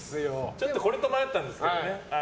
ちょっとこれと迷ったんですけどね。